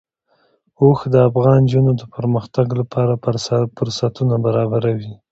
اوښ د افغان نجونو د پرمختګ لپاره فرصتونه برابروي.